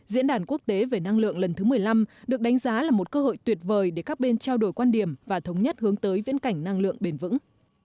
diễn đàn quốc tế về năng lượng lần thứ một mươi năm được đánh giá là một cơ hội tuyệt vời để các bên trao đổi quan điểm và thống nhất hướng tới viễn cảnh năng lượng bền vững